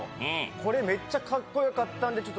これめっちゃかっこよかったのでこれ